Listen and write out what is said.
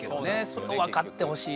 それを分かってほしいな。